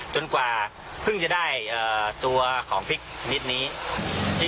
จนกว่าเพิ่งจะได้ตัวของพริกนิดนี้